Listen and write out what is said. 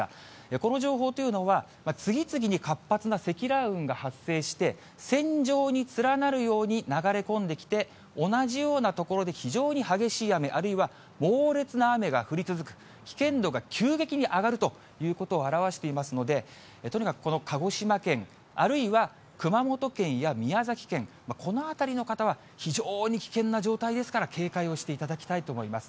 この情報というのは、次々に活発な積乱雲が発生して、線状に連なるように流れ込んできて、同じような所で非常に激しい雨、あるいは猛烈な雨が降り続く、危険度が急激に上がるということを表していますので、とにかくこの鹿児島県、あるいは熊本県や宮崎県、この辺りの方は、非常に危険な状態ですから、警戒をしていただきたいと思います。